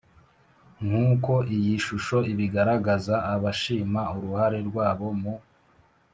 Nk uko iyi shusho ibigaragaza abashima uruhare rwabo mu